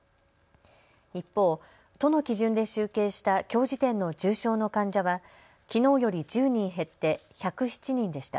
一方、都の基準で集計したきょう時点の重症の患者はきのうより１０人減って１０７人でした。